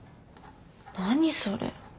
何それ。